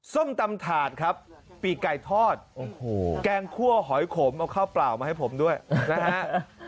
ส้มตำถาดครับปีกไก่ทอดแกงคั่วหอยขมเอาข้าวเปล่ามาให้ผมด้วยนะฮะ